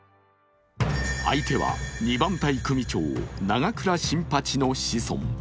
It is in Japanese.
相手は二番隊組長、永倉新八の子孫。